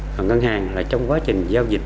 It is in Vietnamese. và ngân hàng là trong quá trình giao dịch